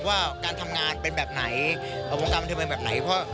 ว่าการทำงานเป็นแบบไหนวงการบันเทิงเป็นแบบไหน